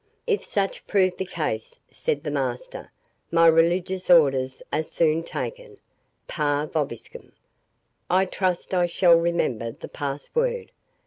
"If such prove the case," said the master, "my religious orders are soon taken—'Pax vobiscum'. I trust I shall remember the pass word.